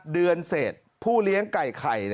เดือนเสร็จผู้เลี้ยงไก่ไข่